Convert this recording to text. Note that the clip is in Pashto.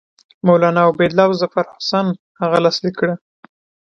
مولنا عبیدالله او ظفرحسن هغه لاسلیک کړه.